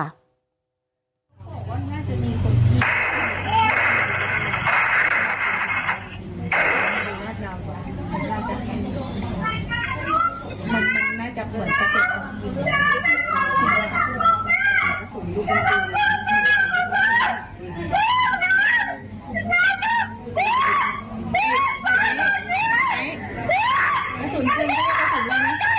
วันตะเตี๊ะ